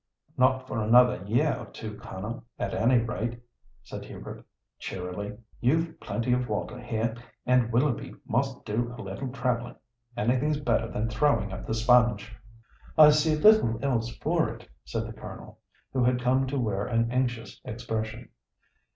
"Not for another year or two, Colonel, at any rate," said Hubert, cheerily; "you've plenty of water here, and Willoughby must do a little 'travelling'; anything's better than throwing up the sponge." "I see little else for it," said the Colonel, who had come to wear an anxious expression.